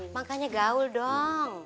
makanya gaul dong